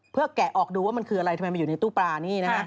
เพื่อแกะออกดูว่ามันคืออะไรทำไมมาอยู่ในตู้ปลานี่นะฮะ